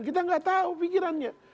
kita gak tahu pikirannya